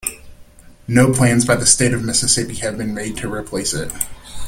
No plans by the State of Mississippi have been made to replace it.